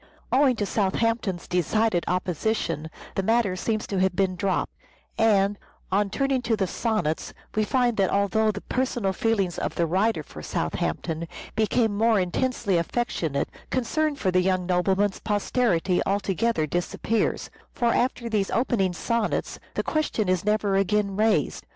Owing to Southampton's decided opposition the matter seems to have been dropped ; 448 "SHAKESPEARE" IDENTIFIED and, on turning to the sonnets, we find that although the personal feelings of the writer for Southampton become more intensely affectionate, concern for the young nobleman's posterity altogether disappears : for after these opening sonnets the question is never again raised.